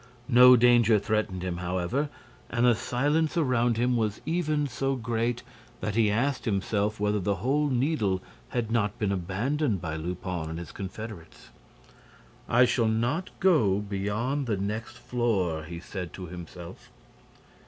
No danger threatened him, however, and the silence around him was even so great that he asked himself whether the whole Needle had not been abandoned by Lupin and his confederates. "I shall not go beyond the next floor," he said to himself.